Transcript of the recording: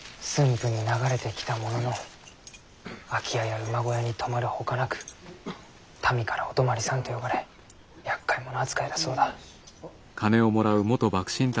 府に流れてきたものの空き家や馬小屋に泊まるほかなく民から「お泊まりさん」と呼ばれ厄介者扱いだそうだ。